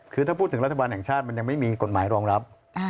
คือถ้าพูดถึงรัฐบาลแห่งชาติมันยังไม่มีกฎหมายรองรับ